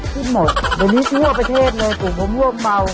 พี่หมอโดยนี้ทั่วประเทศเลยแล้วเอาปลูกเบา